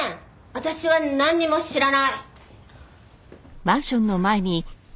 私はなんにも知らない。